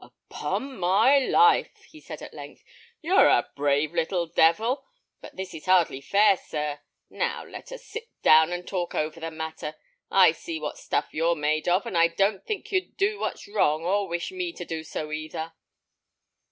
"Upon my life," he said, at length, "you're a brave little devil! but this is hardly fair, sir. Now, let us sit down and talk over the matter. I see what stuff you're made of, and I don't think you'd do what's wrong, or wish me to do so either."